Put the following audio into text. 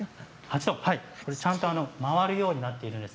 ちゃんと回るようになっています。